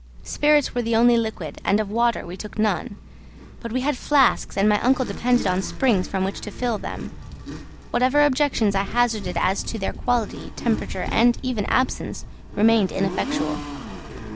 Spirits were the only liquid, and of water we took none; but we had flasks, and my uncle depended on springs from which to fill them. Whatever objections I hazarded as to their quality, temperature, and even absence, remained ineffectual.